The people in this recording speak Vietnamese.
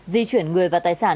di chuyển người và tài sản